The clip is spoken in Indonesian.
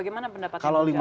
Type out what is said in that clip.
mereka bagaimana pendapatnya